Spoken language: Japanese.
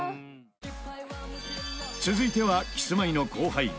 続いてはキスマイの後輩